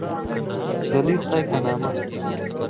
د لوی خدای په نامه